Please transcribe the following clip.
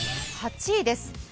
８位です。